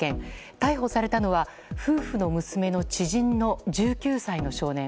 逮捕されたのは夫婦の娘の知人の１９歳の少年。